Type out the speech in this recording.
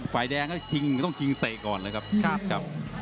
ฝ่ายแดงก็ต้องกินเศษก่อนเลยครับ